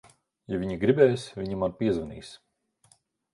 Ja viņa gribēs, viņa man piezvanīs.